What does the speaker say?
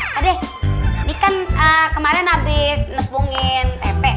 pak de ini kan kemarin habis nepungin pepe